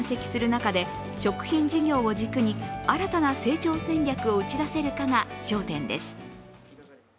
中で食品事業を軸に新たな成長戦力を打ち出せるかが焦点です。